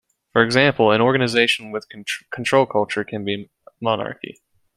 For example, an organization with control culture can be monarchy.